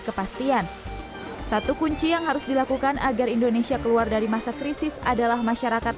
kepastian satu kunci yang harus dilakukan agar indonesia keluar dari masa krisis adalah masyarakat